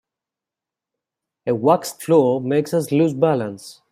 A waxed floor makes us lose balance.